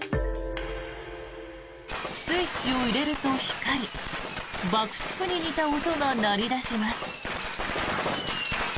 スイッチを入れると光り爆竹に似た音が鳴り出します。